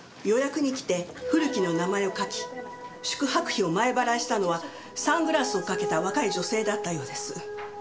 予約に来て古木の名前を書き宿泊費を前払いしたのはサングラスをかけた若い女性だったようです。